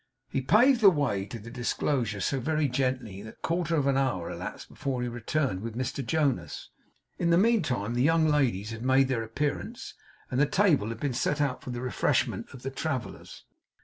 He paved the way to the disclosure so very gently, that a quarter of an hour elapsed before he returned with Mr Jonas. In the meantime the young ladies had made their appearance, and the table had been set out for the refreshment of the travellers.